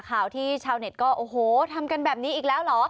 ข่าวที่ชาวเน็ตก็โอ้โหทำกันแบบนี้อีกแล้วเหรอ